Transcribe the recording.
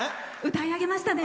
歌い上げましたね。